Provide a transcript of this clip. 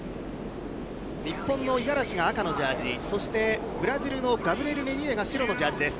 日本の五十嵐が赤のジャージ、そしてブラジルのガブリエル・メディーナが白のジャージです。